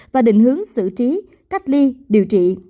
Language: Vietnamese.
và định hướng xử trí cách ly điều trị